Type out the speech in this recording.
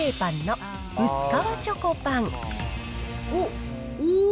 おっ、おー。